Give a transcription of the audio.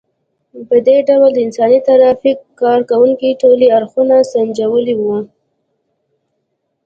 په دې ډول د انساني ترافیک کار کوونکو ټولي اړخونه سنجولي وو.